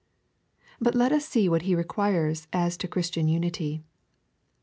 But let us see Avhat he requires as to Christian unity.